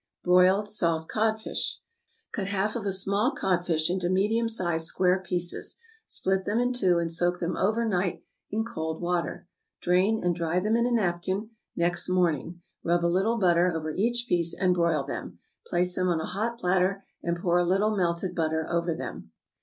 =Broiled Salt Codfish.= Cut half of a small codfish into medium sized square pieces; split them in two, and soak them over night in cold water. Drain, and dry them in a napkin, next morning. Rub a little butter over each piece, and broil them. Place them on a hot platter, and pour a little melted butter over them.